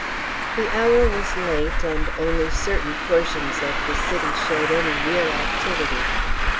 The hour was late, and only certain portions of the city showed any real activity.